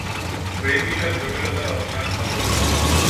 প্রেমবিষয়ক জটিলতার অবসান হবে।